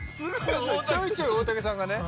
ちょいちょい大竹さんがね